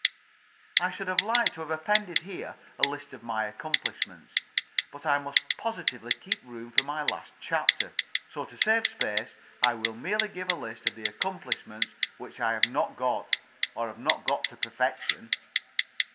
I should have liked to have appended here a list of my accomplishments, but I must positively keep room for my last chapter. So to save space I will merely give a list of the accomplishments which I have not got, or have not got to perfection.